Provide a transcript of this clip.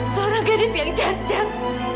seorang gadis yang cacat